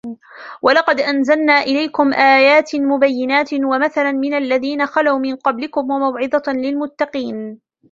وَلَقَدْ أَنْزَلْنَا إِلَيْكُمْ آيَاتٍ مُبَيِّنَاتٍ وَمَثَلًا مِنَ الَّذِينَ خَلَوْا مِنْ قَبْلِكُمْ وَمَوْعِظَةً لِلْمُتَّقِينَ